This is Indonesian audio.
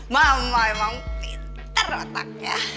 mama emang pintar letaknya